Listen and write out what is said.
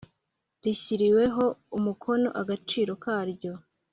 rishyiriweho umukono Agaciro karyo